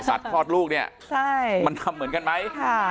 กับสัตว์พร้อดลูกเนี่ยมันทำเหมือนกันไหม